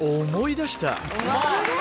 「思い出した」